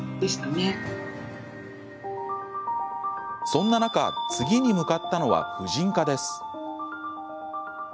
そんな中、次に向かったのは婦人科です。